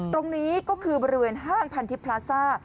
ตรงนี้ก็คือบริเวณห้างพันธิพลาซ่า